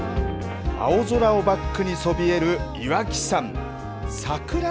青空をバックにそびえる岩木山。